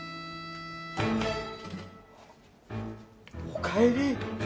おかえり。